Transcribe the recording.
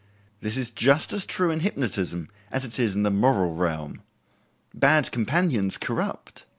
This is just as true in hypnotism as it is in the moral realm. Bad companions corrupt.